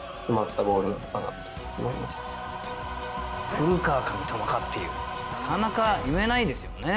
古川か三笘かっていうなかなか言えないですよね。